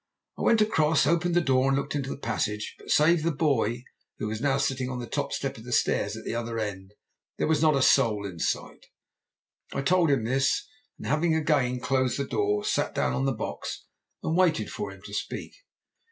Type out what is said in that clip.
I went across, opened the door and looked into the passage, but save the boy, who was now sitting on the top step of the stairs at the other end, there was not a soul in sight. I told him this, and having again closed the door, sat down on the box and waited for him to speak.